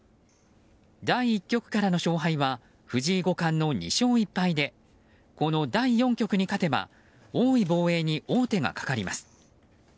第１局からの勝敗は藤井五冠の２勝１敗でこの第４局に勝てば王位防衛に王手がかかります。